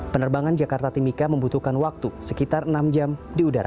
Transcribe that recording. penerbangan jakarta timika membutuhkan waktu sekitar enam jam di udara